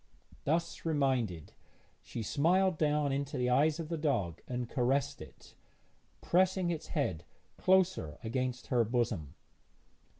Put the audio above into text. Thus reminded, she smiled down into the eyes of the dog and caressed it, pressing its head closer against her bosom.